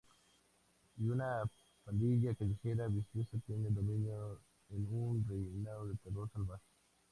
Y una pandilla callejera viciosa tiene el dominio en un reinado de terror salvaje.